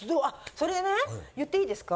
それでね言っていいですか？